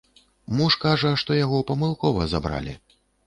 Муж кажа, што яго памылкова забралі.